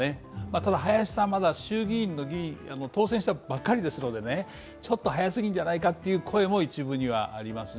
ただ、林さんはまだ衆議院当選したばかりですので、ちょっと早すぎるんじゃないかという声も一部にはありますね。